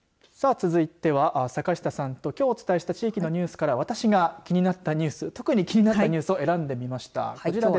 続いては坂下さんときょう、お伝えした地域のニュースから私が気になったニュース特に気になったニュースを選んでみました。